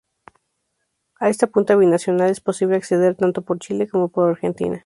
A esta punta binacional es posible acceder tanto por Chile como por Argentina.